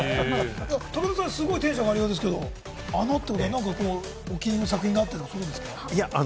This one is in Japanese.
武田さん、すごいテンション上がってますけれども、お気に入りの作品とかあったりするんですか？